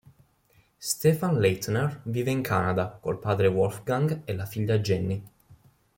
Stefan Leitner vive in Canada col padre Wolfgang e la figlia Jenny.